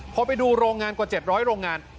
พอไปดูโรงงานกว่า๗๐๐โรงงาน